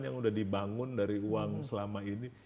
yang udah dibangun dari uang selama ini